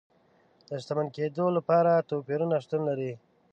د شتمن کېدو لپاره توپیرونه شتون لري.